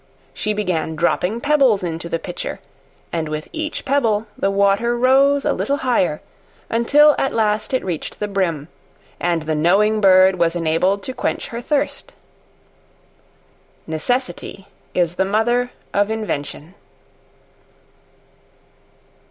She began dropping pebbles into the Pitcher, and with each pebble the water rose a little higher until at last it reached the brim, and the knowing bird was enabled to quench her thirst. Necessity is the mother of invention.